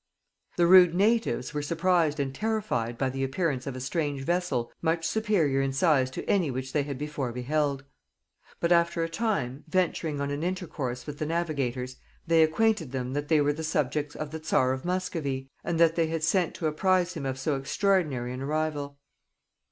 The rude natives were surprised and terrified by the appearance of a strange vessel much superior in size to any which they had before beheld; but after a time, venturing on an intercourse with the navigators, they acquainted them, that they were subjects of the czar of Muscovy, and that they had sent to apprize him of so extraordinary an arrival.